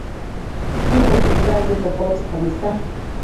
kiko kizazi tofauti kabisa